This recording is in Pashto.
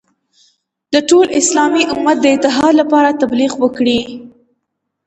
د ټول اسلامي امت د اتحاد لپاره تبلیغ وکړي.